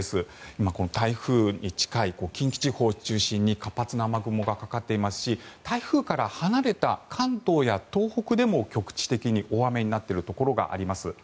今、台風に近い近畿地方を中心に活発な雨雲がかかっていますし台風から離れた関東や東北でも局地的に大雨となっているところがあります。